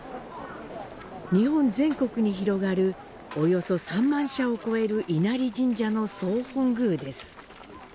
日本全国に広がる約３万社を超える稲荷神社の総本宮です。